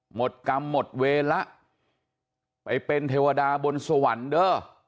หมดกรรมหมดเวละไปเป็นเทวดาบนสวรรค์เด้อ